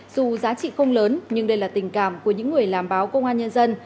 dù giá trị không lớn nhưng đây là tình cảm của những người làm báo công an nhân dân